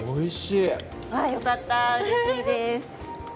よかった、うれしいです。